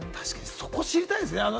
そこ、知りたいですよね。